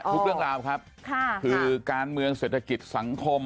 เรื่องราวครับคือการเมืองเศรษฐกิจสังคม